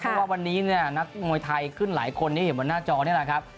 เพราะว่าวันนี้เนี่ยนักมวยไทยขึ้นหลายคนที่เห็นบนหน้าจอนี่แหละครับ